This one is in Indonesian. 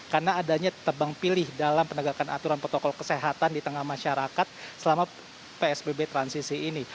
karena adanya tebang pilih dalam penegakan aturan protokol kesehatan di tengah masyarakat selama psbb transisi ini